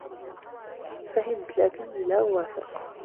فهمت، لكني لا أوافق.